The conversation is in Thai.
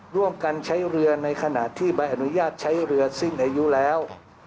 ร่วมกันใช้เรือในขณะที่ใบอนุญาตใช้เรือสิ้นอายุแล้ว